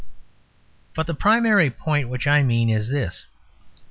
But the primary point which I mean is this.